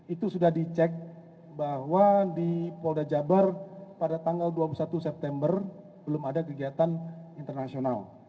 itu sudah dicek bahwa di polda jabar pada tanggal dua puluh satu september belum ada kegiatan internasional